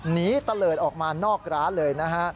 หนีเตลอดออกมานอกร้านเลยนะฮะ